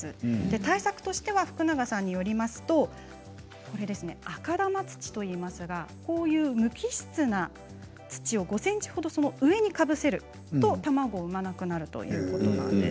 対策としては福永さんによりますと赤玉土といいますがこういう無機質の土を５ｃｍほど上にかぶせると卵を産まなくなるそうです。